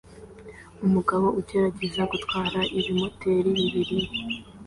Umugabo ugerageza gutwara ibimoteri bibiri